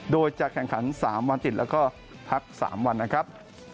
โดยจะแข่งขัน๓วันติดแล้วก็พัก๓วันนะครับ